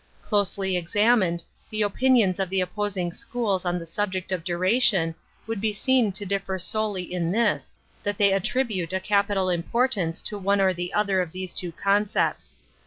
Closely examined, th e opin jo^,Of _the opposing schools on the subject of duration would be seen to differ solely in this, that they attribute a capital import ance to one or the other of these two con cepts.